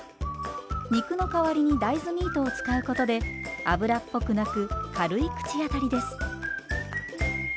肉の代わりに大豆ミートを使うことで油っぽくなく軽い口当たりです。